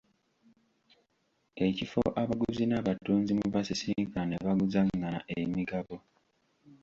Ekifo abaguzi n'abatunzi mwe basisinkana ne baguzangana emigabo.